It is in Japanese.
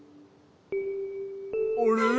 あれ？